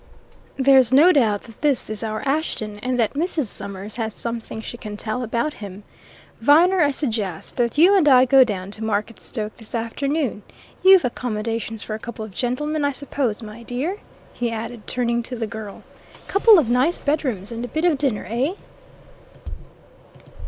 "There's no doubt that this is our Ashton, and that Mrs. Summers has something she can tell about him. Viner, I suggest that you and I go down to Marketstoke this afternoon. You've accommodations for a couple of gentlemen, I suppose, my dear?" he added, turning to the girl. "Couple of nice bedrooms and a bit of dinner, eh?"